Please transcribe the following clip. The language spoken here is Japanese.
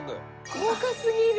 豪華すぎる！